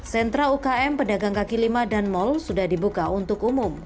sentra ukm pedagang kaki lima dan mal sudah dibuka untuk umum